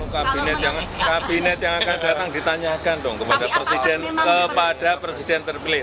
kalau kabinet yang akan datang ditanyakan kepada presiden terpilih